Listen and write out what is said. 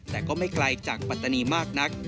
แต่ก็ไม่ไกลจากปัตตานีมากนัก